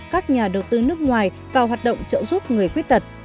các nhà đầu tư nước ngoài vào hoạt động trợ giúp người khuyết tật